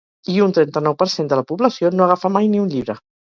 I un trenta-nou per cent de la població no agafa mai ni un llibre!